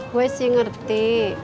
gue sih ngerti